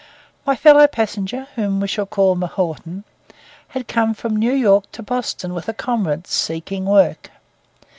My fellow passenger, whom we shall call M'Naughten, had come from New York to Boston with a comrade, seeking work.